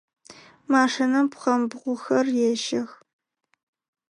Машинэм пхъэмбгъухэр ещэх.